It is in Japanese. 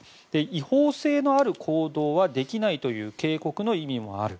違法性のある行動はできないという警告の意味もある。